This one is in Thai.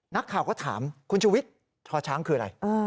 นักข่าวก็ถามคุณชุวิตชอช้างคืออะไร